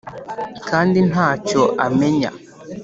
Kandi Nta Cyo Amenya